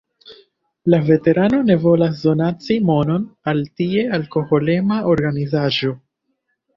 La veterano ne volas donaci monon al tiel alkoholema organizaĵo.